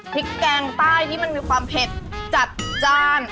แกงใต้ที่มันมีความเผ็ดจัดจ้าน